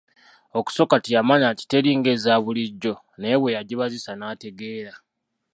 Okusooka teyamanya nti teri ng'eza bulijjo naye bwe yagibazisa n'ategeera.